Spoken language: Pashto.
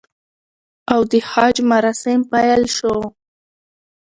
او د حج مراسم پیل شو